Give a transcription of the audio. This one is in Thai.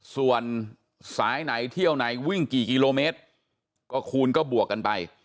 ส่วนสายไหนเที่ยวไหนวิ่งกี่กิโลเมตรก็คูณก็บวกกันไป